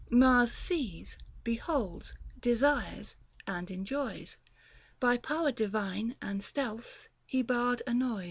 Mars sees, beholds, desires, and enjoys : By power divine and stealth he barred annoys.